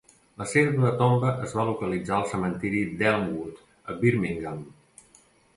La seva tomba es va localitzar al cementiri d'Elmwood, a Birmingham.